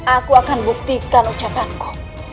aku akan buktikan ucapanku